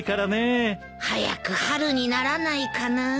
早く春にならないかな。